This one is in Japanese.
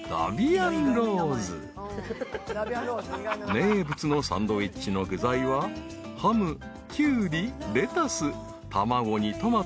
［名物のサンドウィッチの具材はハムキュウリレタス卵にトマトとシンプル］